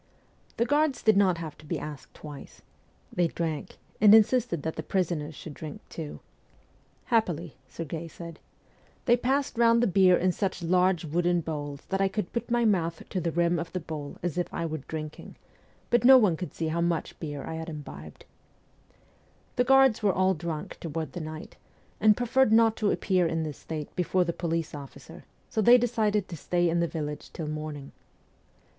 The guards did not have to be asked twice. They drank, and insisted that the prisoners should drink too. ' Happily/ Serghei said, ' they gave us the beer in such large wooden bowls, which were passed round, ST. PETERSBURG 115 that I could put my mouth to the rim of the bowl as if I were drinking, but no one could see how much beer I had imbibed.' The guards were all drunk toward night, and preferred not to appear in this state before the police officer, so they decided to stay in the village till morning.